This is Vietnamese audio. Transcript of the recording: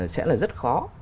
sẽ là rất khó